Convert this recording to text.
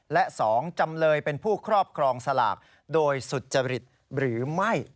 และ๒จำเลยเป็นผู้ครอบครองสลากโดยสุจริตหรือไม่